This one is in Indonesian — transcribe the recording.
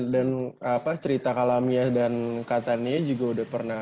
dan cerita kak lamia dan kak tania juga udah pernah